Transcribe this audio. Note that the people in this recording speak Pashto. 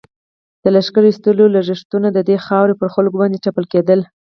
د لښکر ایستلو لږښتونه د دې خاورې پر خلکو باندې تپل کېدل.